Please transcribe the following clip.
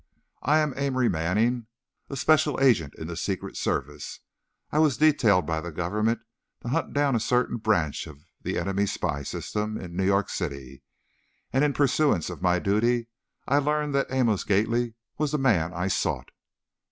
"I am Amory Manning, a special agent in the Secret Service. I was detailed by the Government to hunt down a certain branch of the enemy spy system in New York City, and in pursuance of my duty, I learned that Amos Gately was the man I sought."